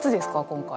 今回。